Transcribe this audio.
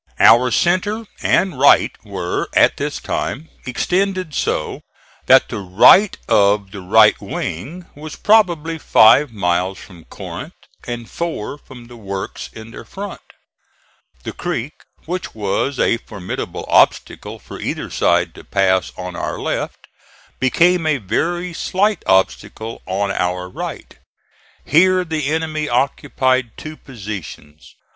Our centre and right were, at this time, extended so that the right of the right wing was probably five miles from Corinth and four from the works in their front. The creek, which was a formidable obstacle for either side to pass on our left, became a very slight obstacle on our right. Here the enemy occupied two positions.